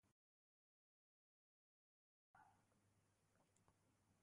Beraz, inoiz botikarik hartu behar baduzu, adi, gaur.